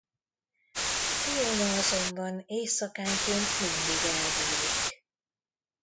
Fiona azonban éjszakánként mindig elbújik.